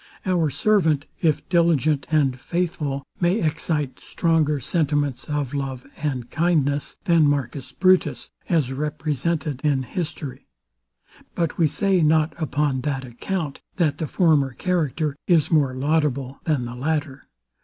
Our servant, if diligent and faithful, may excite stronger sentiments of love and kindness than Marcus Brutus, as represented in history; but we say not upon that account, that the former character is more laudable than the latter.